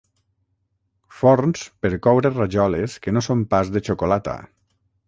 Forns per coure rajoles que no són pas de xocolata.